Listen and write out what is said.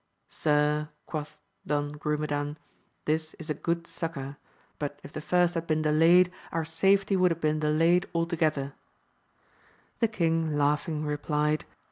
Sir, quoth Don Grumedan, this is a good succour ; but if the first had been delayed, our safety would have been delayed altogether. The king laughing replied.